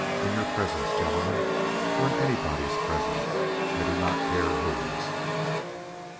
In your presence, gentlemen, or in anybody's presence, I do not care whose."